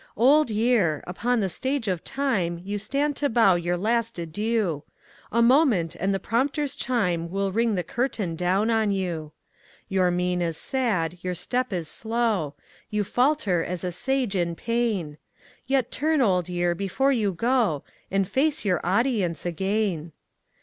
Old Year! upon the Stage of Time You stand to bow your last adieu; A moment, and the prompter's chime Will ring the curtain down on you. Your mien is sad, your step is slow; You falter as a Sage in pain; Yet turn, Old Year, before you go, And face your audience again.